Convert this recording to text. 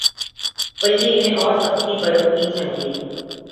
بلکہ انہیں اور سختی برتنی چاہیے۔